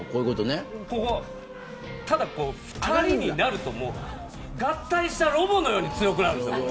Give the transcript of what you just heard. ただ、２人になると合体したロボのように強くなるんですよ。